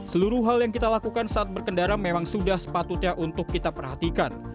seluruh hal yang kita lakukan saat berkendara memang sudah sepatutnya untuk kita perhatikan